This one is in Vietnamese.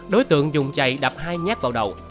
đối tượng dùng chày đập hai nhát vào đầu